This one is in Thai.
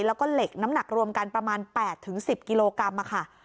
แล้วก็เหล็กน้ำหนักรวมกันประมาณ๘๑๐กิโลกรัมค่ะ